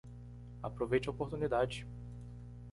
Aproveite a oportunidade